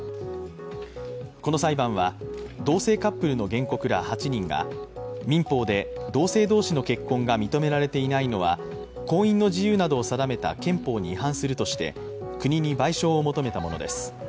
この裁判は同性カップルの原告ら８人が民法で同性同士の結婚が認められていないのは婚姻の自由などを定めた憲法に違反するとして国に賠償を求めたものです。